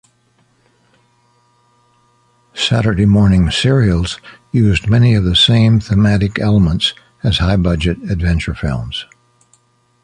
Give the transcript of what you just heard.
Saturday morning serials used many of the same thematic elements as high-budget adventure films.